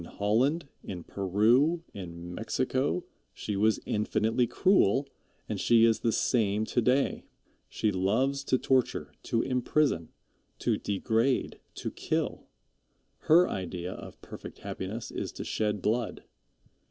In Holland, in Peru, in Mexico, she was infinitely cruel, and she is the same to day. She loves to torture, to imprison, to degrade, to kill. Her idea of perfect happiness is to shed blood.